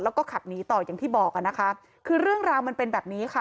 แล้วก็ขับหนีต่ออย่างที่บอกอ่ะนะคะคือเรื่องราวมันเป็นแบบนี้ค่ะ